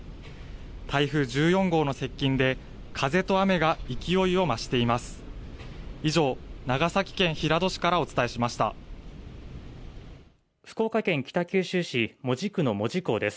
台風１４号の接近で風と雨が勢いを増しています。